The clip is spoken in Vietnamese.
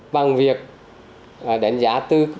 bằng việc đánh giá tư